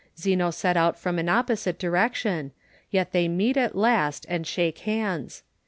Zeno set out from an opposite direction, yet they meet at last and shake hands.